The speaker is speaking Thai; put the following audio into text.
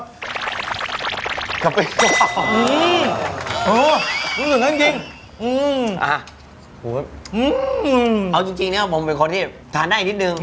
กลับไปอ๋ออืมอ๋อนึกถึงจริงอืมอ่าอุ้ยอืมเอาจริงเนี่ยผมเป็นคนที่ทานได้นิดนึง